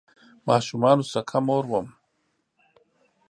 ماشومانو سکه مور وم